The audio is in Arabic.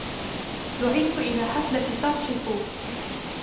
دُعيتُ إلى حفلة ساتشِكو.